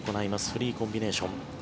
フリーコンビネーション。